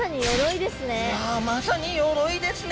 いやまさに鎧ですね。